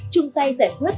chung tay giải quyết